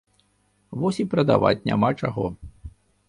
Вось і прадаваць няма чаго.